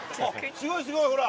すごいすごいほら。